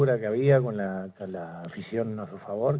tidak mudah untuk bermain di sini dengan suhu yang terbaik